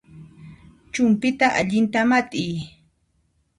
Chumpyta allinta mat'iy